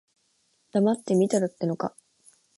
黙って見てろってのか。